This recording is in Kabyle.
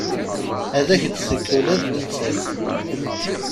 Ad ak-d-tekk ula d nettat.